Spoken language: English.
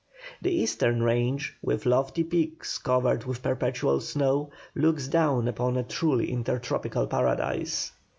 The eastern range, with lofty peaks covered with perpetual snow, looks down upon a truly intertropical paradise.